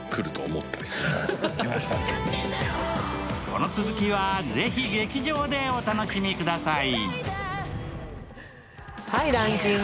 この続きはぜひ劇場でお楽しみください。